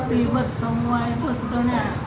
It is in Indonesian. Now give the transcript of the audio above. stimpet semua itu sebenarnya